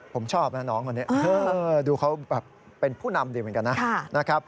ผมชอบน้องก่อนนี้ดูเขาเป็นผู้นำดีเหมือนกันนะ